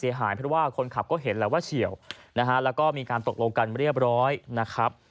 เพราะว่าคนขับก็เห็นแล้วว่าเฉียวนะฮะแล้วก็มีการตกลงกันเรียบร้อยนะครับ